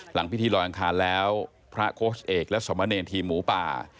พิธีลอยอังคารแล้วพระโค้ชเอกและสมเนรทีมหมูป่า